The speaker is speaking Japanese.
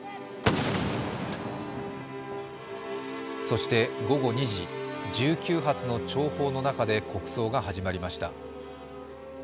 そして午後２時、１９発の弔砲の中で国葬が始まりました。